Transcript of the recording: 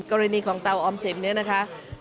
กรณีของเตาออมสินเนี่ยนะคะ